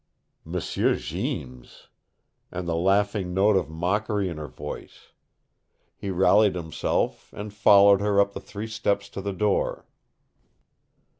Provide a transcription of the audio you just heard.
M'sieu Jeems! And the laughing note of mockery in her voice! He rallied himself and followed her up the three steps to the door.